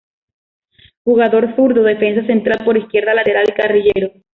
Jugador zurdo, defensa central, por izquierda lateral, y carrilero.